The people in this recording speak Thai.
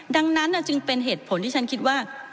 ดังนั้นจึงเป็นเหตุผลที่ฉันคิดว่า